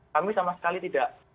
kami sama sekali tidak